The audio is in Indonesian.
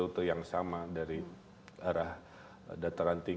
kang emil dari bandung